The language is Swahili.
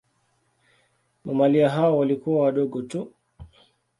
Mamalia hao walikuwa wadogo tu.